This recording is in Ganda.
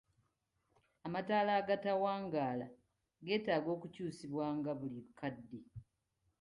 Amatala agatawangala geetaaga okukyusibwanga buli kadde.